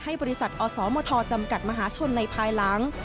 บริษัทอสมทจำกัดมหาชนในภายหลัง